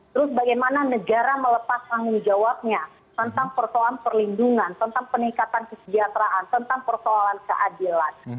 terus bagaimana negara melepas tanggung jawabnya tentang persoalan perlindungan tentang peningkatan kesejahteraan tentang persoalan keadilan